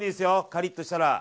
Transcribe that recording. カリッとしたら。